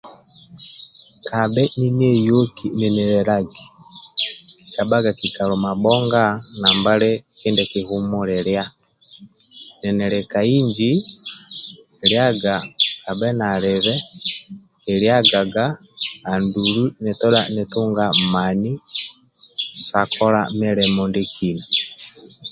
Kabha ninieyoki ninilelagi nkikabhaga kikalo mabhonga nkibdie nkihumuliia ninili ka inji liaga abhe nalibe kiliagaga andulu nitodha nitunge mani sa kola mulimo ndiekina